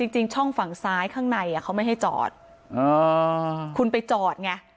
จริงช่องฝั่งซ้ายข้างในเขาไม่ให้จอดคุณไปจอดไง